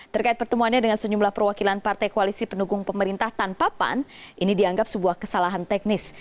terkait pertemuannya dengan sejumlah perwakilan partai koalisi pendukung pemerintah tanpa pan ini dianggap sebuah kesalahan teknis